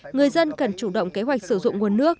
người dân cần chủ động kế hoạch sử dụng nguồn nước